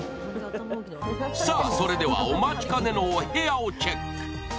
さあ、それではお待ちかねのお部屋をチェック。